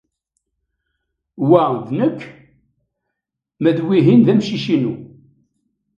Wa d nekk, ma d wihin d amcic-inu.